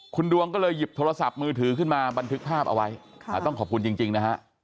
คุณดวงก็เลยหยิบโทรศัพท์มือถือขึ้นมาบันทึกภาพเอาไว้ต้องขอบคุณจริงนะฮะ